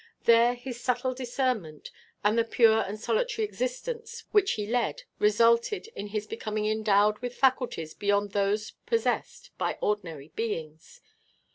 There his subtle discernment and the pure and solitary existence which he led resulted in his becoming endowed with faculties beyond those possessed by ordinary beings.